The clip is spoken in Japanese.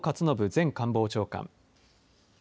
前官房長官。